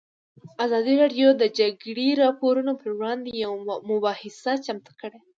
ازادي راډیو د د جګړې راپورونه پر وړاندې یوه مباحثه چمتو کړې.